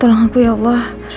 benda tersebut pada